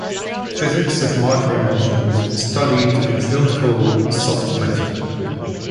Physics of micro-emulsions is studied in a field called “soft matter”.